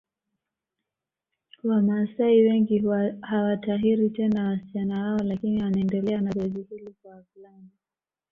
Wamaasai wengi hawatahiri tena wasichana wao lakini wanaendelea na zoezi hili kwa wavulana